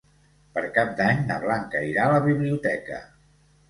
Per Cap d'Any na Blanca irà a la biblioteca.